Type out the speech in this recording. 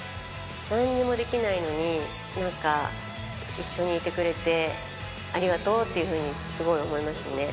なんにもできないのに、なんか、一緒にいてくれて、ありがとうっていうふうに、すごい思いますね。